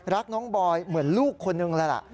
รักน้องบอยเหมือนลูกคนนึงแล้วล่ะ